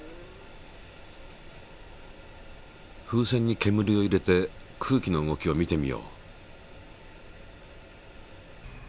風船にけむりを入れて空気の動きを見てみよう。